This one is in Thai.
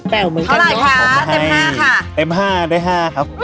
แป่วมือกันเนอะผมให้เท่าไหร่คะเต็ม๕ค่ะ